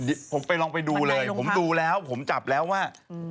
เดี๋ยวผมไปลองไปดูเลยผมดูแล้วผมจับแล้วว่า